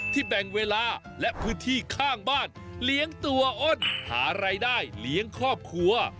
แบ่งเวลาและพื้นที่ข้างบ้านเลี้ยงตัวอ้นหารายได้เลี้ยงครอบครัว